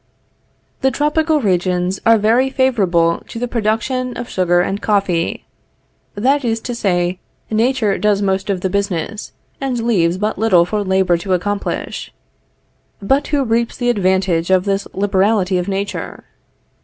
The tropical regions are very favorable to the production of sugar and coffee; that is to say, Nature does most of the business and leaves but little for labor to accomplish. But who reaps the advantage of this liberality of Nature?